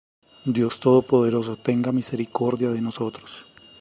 Dios todopoderoso tenga misericordia de nosotros,